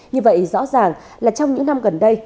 như vậy rõ ràng là trong những năm gần đây